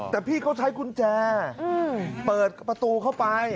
แต่พี่เขาใช้กุญแจเปิดประตูเข้าไป